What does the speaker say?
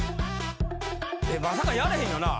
まさかやれへんよな？